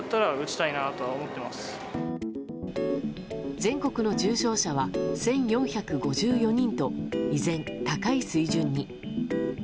全国の重症者は１４５４人と依然高い水準に。